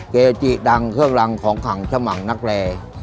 เกจิดังเครื่องรังของขังสมังนักแล